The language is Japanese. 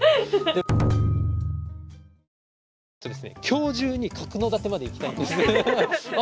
今日中に角館まで行きたいんですよ。